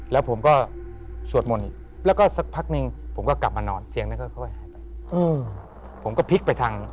แล้วผมก็เฉียว้นอีกแล้วก็สักพักนึงผมก็กลับมานอนเสียงนั่งเรื่องหายไป